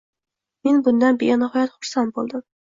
Men bundan benihoyat xursand bo'ldim.